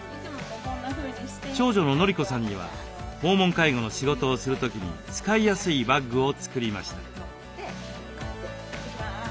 長女の法子さんには訪問介護の仕事をする時に使いやすいバッグを作りました。